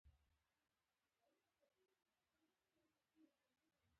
د روم اقتصادي وده دوامداره نه وه.